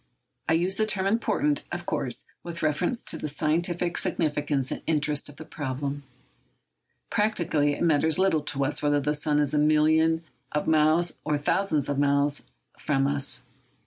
I use the term important, of course, with reference to the scientific significance and interest of the problem. Practically, it matters little to us whether the sun is a million of miles or a thousand millions of miles from us.